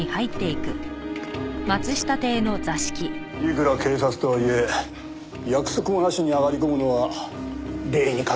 いくら警察とはいえ約束もなしに上がり込むのは礼に欠けるんじゃないのかな？